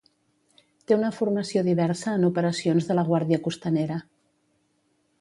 Té una formació diversa en operacions de la guàrdia costanera.